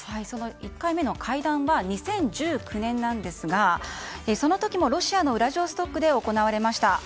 １回目の会談は２０１９年なんですがその時もロシアのウラジオストクで行われました。